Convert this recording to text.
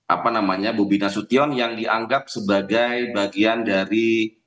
apa namanya bobi nasution yang dianggap sebagai bagian dari